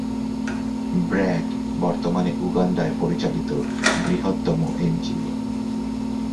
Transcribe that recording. ব্র্যাক বর্তমানে উগান্ডায় পরিচালিত বৃহত্তম এনজিও।